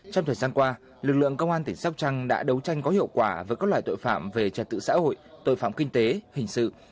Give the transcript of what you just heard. trong thời gian qua lực lượng công an tỉnh sóc trăng đã đấu tranh có hiệu quả với các loại tội phạm về trật tự xã hội tội phạm kinh tế hình sự